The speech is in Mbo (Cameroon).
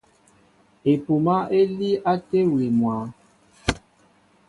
Epúmā é líí á téwili mwǎ.